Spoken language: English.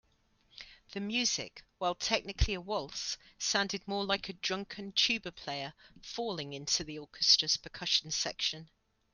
The music, while technically a waltz, sounded more like a drunken tuba player falling into the orchestra's percussion section.